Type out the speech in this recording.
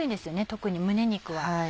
特に胸肉は。